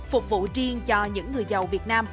phục vụ riêng cho những người giàu việt nam